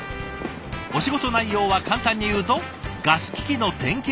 お仕事内容は簡単に言うとガス機器の点検やメンテナンス。